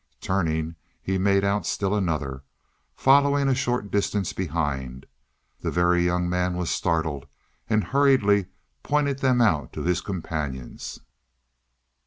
Turning, he made out still another, following a short distance behind. The Very Young Man was startled, and hurriedly pointed them out to his companions.